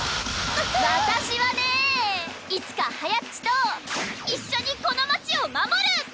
私はねいつかはやっちと一緒にこの街を守る！